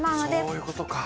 そういうことか。